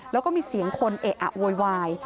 แล้วก็มีเสียงคนเอะอะโวยวาย